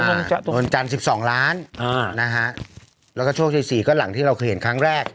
นวลจันทร์๑๒ล้านนะฮะแล้วก็โชคชัยสี่ก็หลังที่เราเคยเห็นครั้งแรก